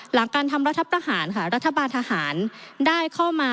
หลังการทำรัฐประหารค่ะรัฐบาลทหารได้เข้ามา